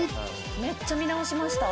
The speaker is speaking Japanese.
めっちゃ見直しました。